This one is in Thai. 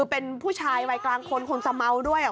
เป็นผู้ชายวัยกลางคนคนจะเมาด้วย